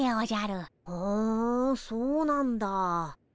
ふんそうなんだ。